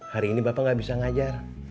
hari ini bapak gak bisa ngajar